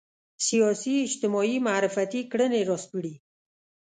سیاسي اجتماعي معرفتي کړنې راسپړي